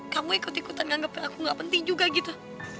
kamu ikut ikutan menganggap aku gak penting juga gitu